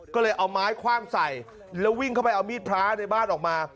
ก็เลยเอาไม้คว่างใส่แล้ววิ่งเข้าไปเอามีดพระในบ้านออกมา